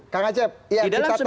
kamu aja ya kita tahan dulu kang ajep